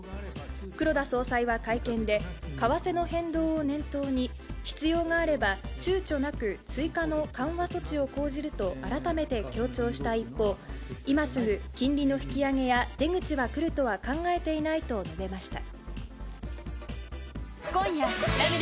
黒田総裁は会見で、為替の変動を念頭に、必要があればちゅうちょなく追加の緩和策を講じると改めて強調した一方、今すぐ金利の引き上げや出口は来るとは考えていないと述べました。